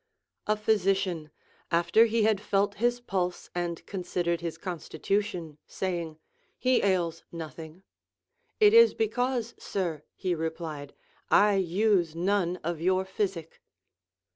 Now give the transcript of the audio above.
A physician, after he had felt his pulse and considered his constitution, saying, He ails noth ing ; It is because, sir, he replied, I use none of your physic.